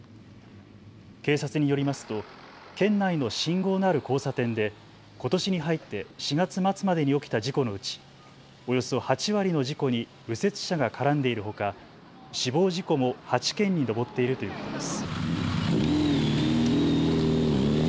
警察によりますと県内の信号のある交差点でことしに入って４月末までに起きた事故のうちおよそ８割の事故に右折車が絡んでいるほか死亡事故も８件に上っているということです。